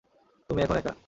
তুমি এখন একা।